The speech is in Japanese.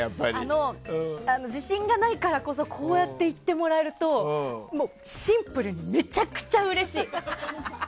あの、自信がないからこそこうやって言ってもらえるとシンプルにめちゃくちゃうれしい。